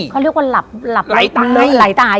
เขาเรียกว่าหลายตาย